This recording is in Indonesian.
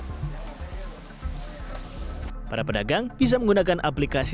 para pedagang bisa menggunakan aplikasi simirah yang dibuat oleh pemperin atau menggunakan aplikasi